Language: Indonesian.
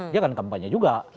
dia akan kampanye juga